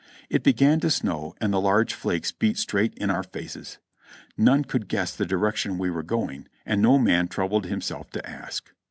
It began to snow and the large flakes beat straight in our faces. None could guess the direction we were going, and no man troubled himself to ask.